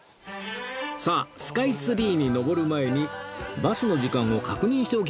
さあスカイツリーに上る前にバスの時間を確認しておきましょう